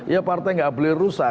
ya partai nggak boleh rusak